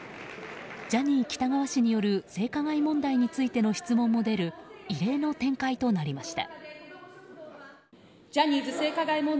ジャニー喜多川氏による性加害問題についての質問も出る異例の展開となりました。